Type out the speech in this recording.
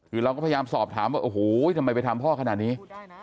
คือเราก็พยายามสอบถามว่าโอ้โหทำไมไปทำพ่อขนาดนี้